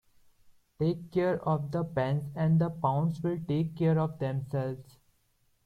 Take care of the pence and the pounds will take care of themselves.